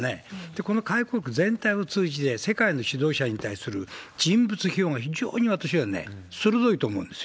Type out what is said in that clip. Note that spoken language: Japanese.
この回顧録全体を通じて、世界の指導者に対する人物批評が非常に、私は鋭いと思うんですよ。